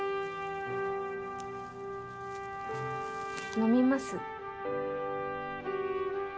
飲みます？